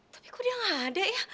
tapi kok dia gak ada ya